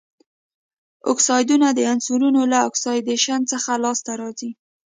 اکسایډونه د عنصرونو له اکسیدیشن څخه لاسته راځي.